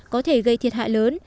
có thể gây thiệt hại lớn